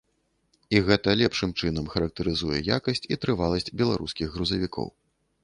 І гэта лепшым чынам характарызуе якасць і трываласць беларускіх грузавікоў.